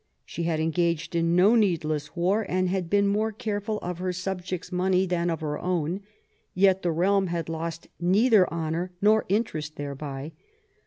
She had engaged in no needless war, and had been more careful of her subjects' money than of her own ; yet the realm had lost neither honour nor interest thereby.